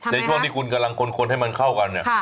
ในช่วงที่คุณกำลังคนให้มันเข้ากันเนี่ย